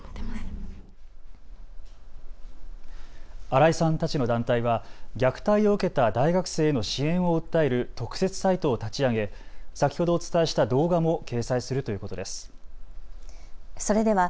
新井さんたちの団体は虐待を受けた大学生への支援を訴える特設サイトを立ち上げ先ほどお伝えした動画も掲載するということです。